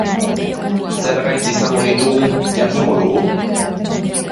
Zer gaitz izango ditugun jakingo dugu?